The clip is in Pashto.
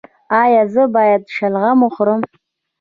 ایا زه باید شلغم وخورم؟